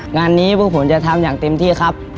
งานนี้พวกผมจะทำอย่างเต็มที่ครับ